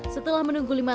setelah menunggu lima bulan